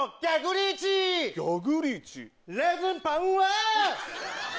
レーズンパンは